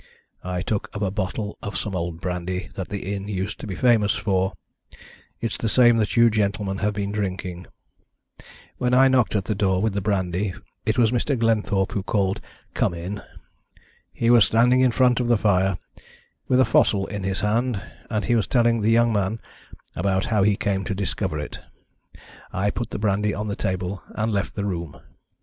I took up a bottle of some old brandy that the inn used to be famous for it's the same that you gentlemen have been drinking. When I knocked at the door with the brandy it was Mr. Glenthorpe who called 'Come in!' He was standing in front of the fire, with a fossil in his hand, and he was telling the young man about how he came to discover it. I put the brandy on the table and left the room.